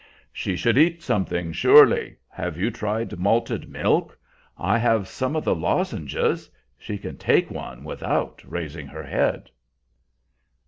"She should eat something, surely. Have you tried malted milk? I have some of the lozenges; she can take one without raising her head."